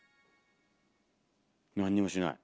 何にもしない。